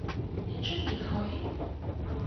你鍾意佢？